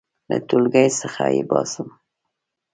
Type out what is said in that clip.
• له ټولګي څخه یې باسم.